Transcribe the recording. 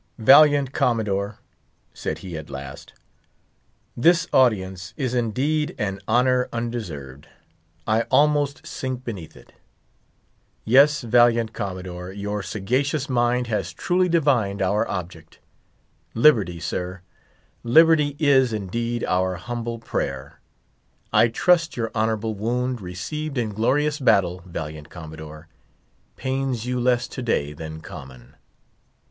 "Valiant Commodore," said he, at last, "this audience is indeed an honour undeserved. I almost sink beneath it. Yes, valiant Commodore, your sagacious mind has truly divined our object. Liberty, sir; liberty is, indeed, our humble prayer. I trust your honourable wound, received in glorious battle, valiant Comodore, pains you less today than common."